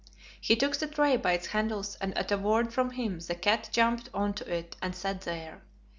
He took the tray by its handles and at a word from him the cat jumped on to it and sat there.